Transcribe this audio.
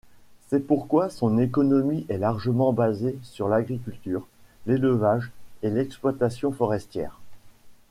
C'est pourquoi son économie est largement basée sur l'agriculture, l'élevage et l'exploitation forestière.